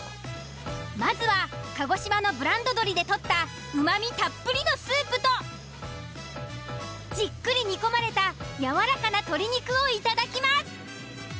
まずは鹿児島のブランド鶏でとったうまみたっぷりのスープとじっくり煮込まれたやわらかな鶏肉をいただきます。